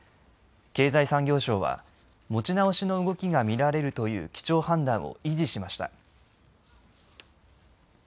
経済産業省は持ち直しの動きが見られるという基調判断を維持しました。